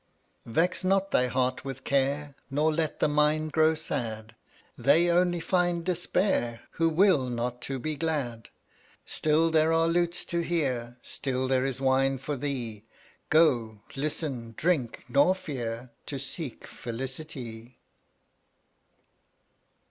1 44 Vex not thy heart with care Nor let the mind grow sad; They only find Despair Who will not to be glad. Still there are lutes to hear, Still there is wine for thee; Go, listen, drink, nor fear To seek Felicity.